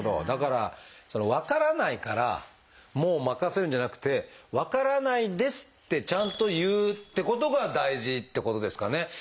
だからその分からないからもう任せるんじゃなくて「分からないです」ってちゃんと言うってことが大事ってことですかね。